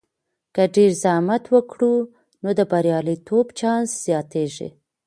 که ډیر زحمت وکړو، نو د بریالیتوب چانس زیاتیږي.